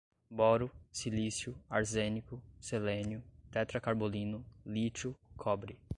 boro, silício, arsênico, selênio, tetracarbolino, lítio, cobre